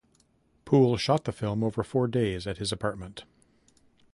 Poole shot the film over four days at his apartment.